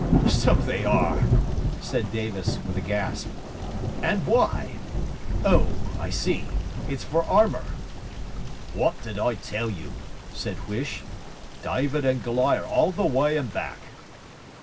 'So they are,' said Davis, with a gasp. 'And why? Oh, I see, it's for armour.' 'Wot did I tell you?' said Huish. 'Dyvid and Goliar all the w'y and back.'